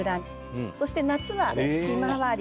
そして夏はひまわり。